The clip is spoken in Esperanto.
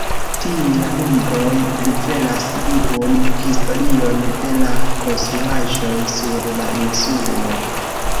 Tiel la nombroj rivelas iun historion de la konstruaĵoj sur la insulo.